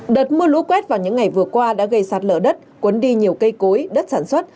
đợt mưa lũ quét vào những ngày vừa qua đã gây sạt lở đất cuốn đi nhiều cây cối đất sản xuất